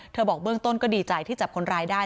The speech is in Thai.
บอกเบื้องต้นก็ดีใจที่จับคนร้ายได้